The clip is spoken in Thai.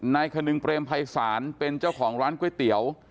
คนนึงเปรมภัยศาลเป็นเจ้าของร้านก๋วยเตี๋ยว